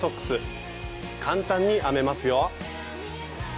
簡単に編めますよ。